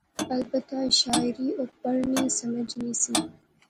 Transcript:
البتہ شاعری او پڑھنی، سمجھنی سی